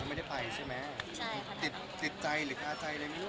แม่ถึงค่าเม็ดไทรแม่จะเชียร์ต่อหรือยังไงหรือจะเป็นยังไงต่อ